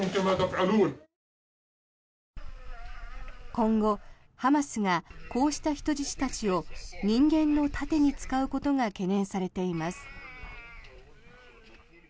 今後、ハマスがこうした人質たちを人間の盾に使うことが懸念されています。